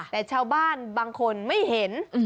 แต่ชาวบ้านบางคนไม่เห็น